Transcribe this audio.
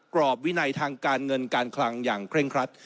รอบวินัยทางการเงินการคลังอย่างเคร่งครัด